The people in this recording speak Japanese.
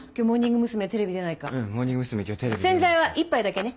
洗剤は１杯だけね。